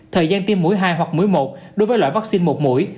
thời gian tiêm mũi hai hoặc mũi một đối với loại vaccine một mũi